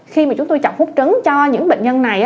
khi mà chúng tôi chọn hút trứng cho những bệnh nhân này